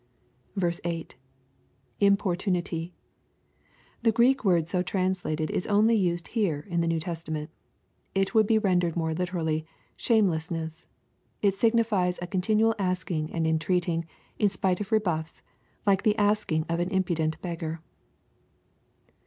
8. — [Imp<yrtunUy^ The Greek word so translated is only used here in the New Testament. It would be rendered more Uterally " shamelessness." It signifies a continual asking and entreating, in spite of rebujffs, like the asking of an impudent beggar.